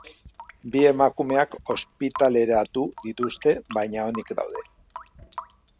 Bi emakumeak ospitaleratu dituzte, baina onik daude.